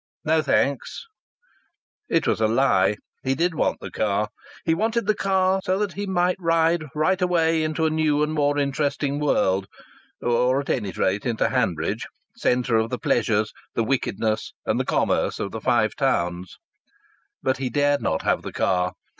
"No, thanks." It was a lie. He did want the car. He wanted the car so that he might ride right away into a new and more interesting world, or at any rate into Hanbridge, centre of the pleasures, the wickedness and the commerce of the Five Towns. But he dared not have the car.